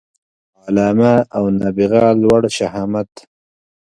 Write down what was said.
علامه او نابغه لوړ شهامت